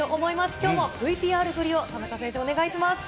きょうもＶＴＲ振りを田中選手、お願いします。